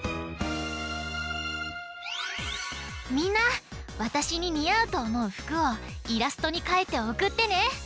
みんなわたしににあうとおもうふくをイラストにかいておくってね。